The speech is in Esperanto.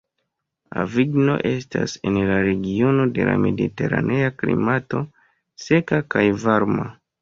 Avignon estas en la regiono de la mediteranea klimato, seka kaj varma.